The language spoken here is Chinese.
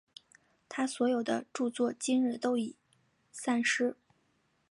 他所有的着作今日都已散失。